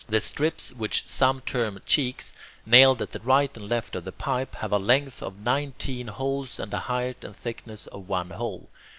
The strips, which some term cheeks, nailed at the right and left of the pipe, have a length of nineteen holes and a height and thickness of one hole.